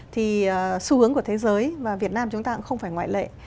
thì xu hướng của thế giới và việt nam chúng ta cũng không phải ngoại lệ